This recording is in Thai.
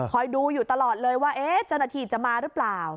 ดูอยู่ตลอดเลยว่าเจ้าหน้าที่จะมาหรือเปล่า